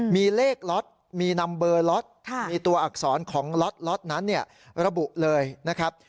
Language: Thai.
มีเลขล็อตมีนัมเบอร์ล็อตมีตัวอักษรของล็อตนั้นระบุเลยนะครับ